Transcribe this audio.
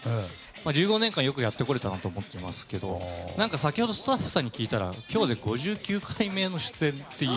１５年間よくやってこれたなと思ってますけど先ほどスタッフさんに聞いたら今日で５９回目の出演って。